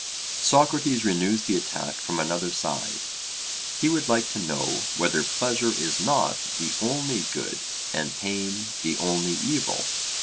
Socrates renews the attack from another side: he would like to know whether pleasure is not the only good, and pain the only evil?